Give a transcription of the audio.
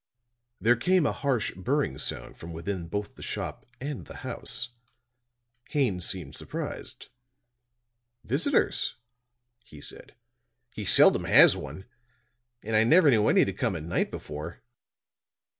There came a harsh burring sound from within both the shop and the house. Haines seemed surprised. "Visitors," he said. "He seldom has one; and I never knew any to come at night before."